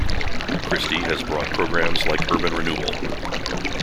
Christie has brought programmes like Urban Renewal.